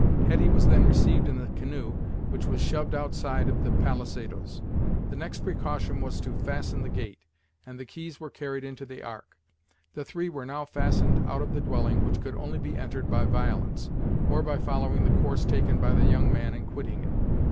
Hetty was then received in the canoe, which was shoved outside of the palisadoes. The next precaution was to fasten the gate, and the keys were carried into the ark. The three were now fastened out of the dwelling, which could only be entered by violence, or by following the course taken by the young man in quitting it.